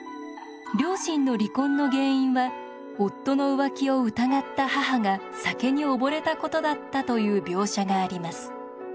両親の離婚の原因は夫の浮気を疑った母が酒に溺れたことだったという描写があります。